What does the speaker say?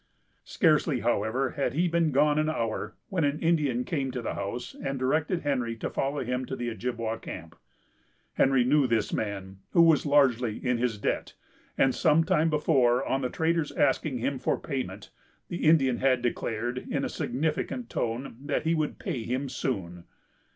Scarcely, however, had he been gone an hour, when an Indian came to the house, and directed Henry to follow him to the Ojibwa camp. Henry knew this man, who was largely in his debt, and some time before, on the trader's asking him for payment, the Indian had declared, in a significant tone, that he would pay him soon.